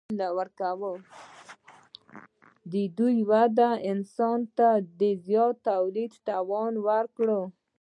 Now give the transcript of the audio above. دې ودې انسان ته د زیات تولید توان ورکړ.